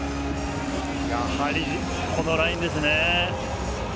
やはりこのラインですね。